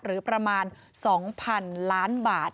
หรือประมาณ๒๐๐๐ล้านบาท